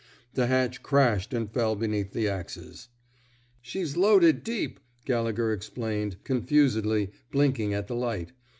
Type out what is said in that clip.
The hatch crashed and fell beneath the axes. She's loaded deep," Gallegher explained, confusedly, blinking at the light.